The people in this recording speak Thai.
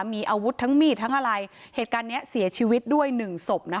มีอาวุธทั้งมีดทั้งอะไรเหตุการณ์เนี้ยเสียชีวิตด้วยหนึ่งศพนะคะ